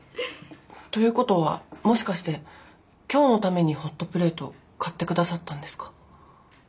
ということはもしかして今日のためにホットプレート買って下さったんですか？